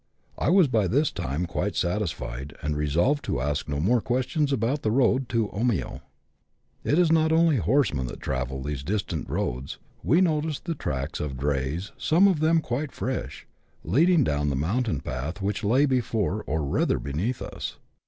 I was by this time quite satisfied, and resolved to ask no more questions about the road to Omio. It is not only horsemen that travel these distant roads : we noticed the tracks of drays, some of them quite fresh, leading down the mountain path which lay before, or rather beneath us.